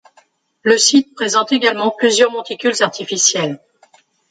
Le site présente également plusieurs monticules artificiels.